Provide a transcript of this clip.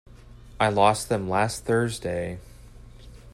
I lost them last Thursday.